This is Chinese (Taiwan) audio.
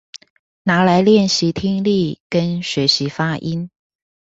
拿來練習聽力跟學習發音